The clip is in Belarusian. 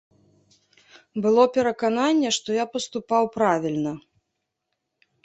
Было перакананне, што я паступаў правільна.